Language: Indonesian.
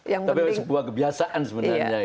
tapi sebuah kebiasaan sebenarnya